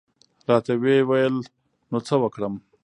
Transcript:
را ته وې ویل نو څه وکړم؟